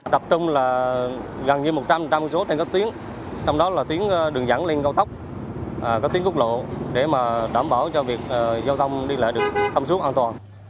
tập trung là gần như một trăm linh một trăm linh số trên các tuyến trong đó là tuyến đường dẫn lên cao tốc các tuyến gốc lộ để đảm bảo cho việc giao thông đi lại được tâm suốt an toàn